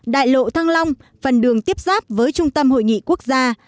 đại lộ thăng long phần đường tiếp giáp với trung tâm hội nghị quốc gia